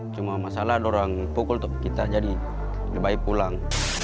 cuma masalah mereka pukul kita jadi lebih baik pulang